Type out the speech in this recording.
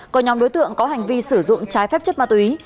có nhóm đối tượng có hành vi sử dụng trái phép chất ma túy